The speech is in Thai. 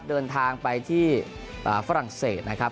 เดินทางไปที่ฝรั่งเศสนะครับ